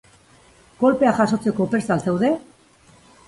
Kolpea jasotzeko prest al zaude?